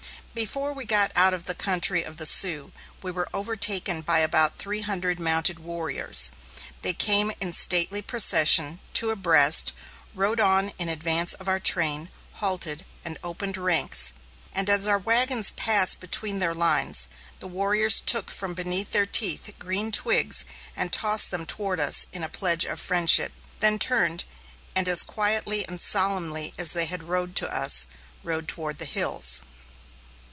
Before we got out of the country of the Sioux, we were overtaken by about three hundred mounted warriors. They came in stately procession, two abreast; rode on in advance of our train; halted, and opened ranks; and as our wagons passed between their lines, the warriors took from between their teeth, green twigs, and tossed them toward us in pledge of friendship, then turned and as quietly and solemnly as they had come to us, rode toward the hills.